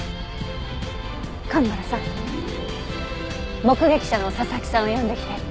蒲原さん目撃者の佐々木さんを呼んできて。